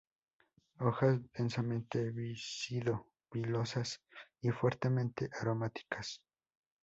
Hojas densamente víscido-pilosas y fuertemente aromáticas.